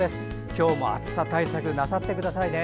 今日も暑さ対策なさってくださいね。